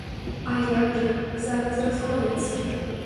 А як жа, зараз разгоняцца!